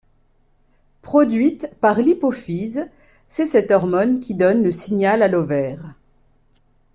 Produite par l’hypophyse, c’est cette hormone qui donne le signal à l’ovaire.